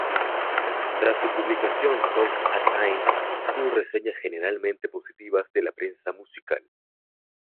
Tras su publicación, "Comes a Time" obtuvo reseñas generalmente positivas de la prensa musical.